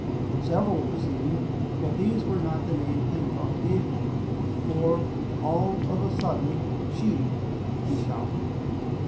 Several were seen, but this was not the name Pencroft gave them, for all of a sudden "Sheep!" he shouted.